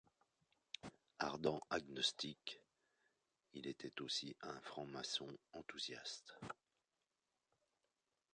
Ardent agnostique, il était aussi un franc-maçon enthousiaste.